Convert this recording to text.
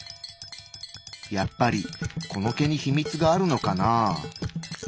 やっぱりこの毛に秘密があるのかなぁ。